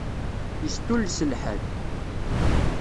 Yestulles lḥal.